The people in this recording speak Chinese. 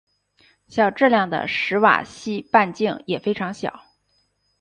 小质量的史瓦西半径也非常小。